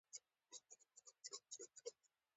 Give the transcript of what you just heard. او هغو کسان ته چي ايمان ئې راوړى